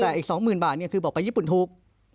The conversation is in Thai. แต่อีกสองหมื่นบาทเนี่ยคือบอกไปญี่ปุ่นถูก